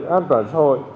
an toàn xã hội